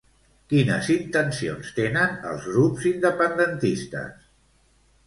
Quines intencions tenen els grups independentistes?